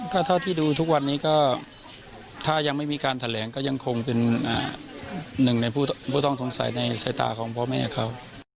ก็ถ้าที่ดูทุกวันนี้ก็ท่ายังไม่มีการทะแหลงก็ยังคงเป็นอ่าหนึ่งในผู้ห้องทวงใสในใส่ตาของพ่อแม่เขา